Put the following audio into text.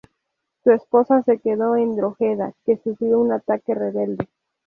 Su esposa se quedó en Drogheda, que sufrió un ataque rebelde.